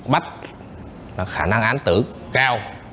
bắt là khả năng án tử cao